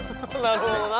なるほどな。